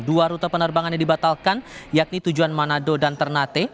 dua rute penerbangan yang dibatalkan yakni tujuan manado dan ternate